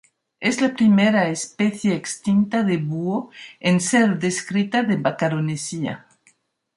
Es la primera especie extinta de búho en ser descrita de Macaronesia.